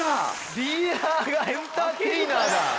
ディーラーがエンターテイナーだ。